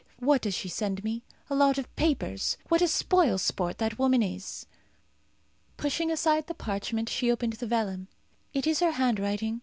"What does she send me? A lot of papers! What a spoil sport that woman is!" Pushing aside the parchment, she opened the vellum. "It is her handwriting.